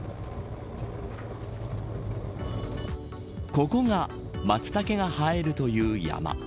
ここがマツタケが生えるという山。